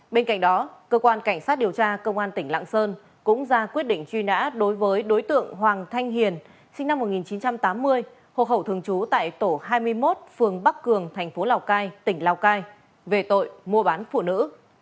bên cạnh đó cơ quan cảnh sát điều tra công an tỉnh lạng sơn cũng ra quyết định truy nã đối với đối tượng hoàng thanh hiền sinh năm một nghìn chín trăm tám mươi hộ khẩu thường trú tại tổ hai mươi một phường bắc cường thành phố lào cai tỉnh lào cai về tội mua bán phụ nữ